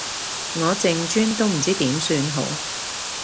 我淨專都唔知點算好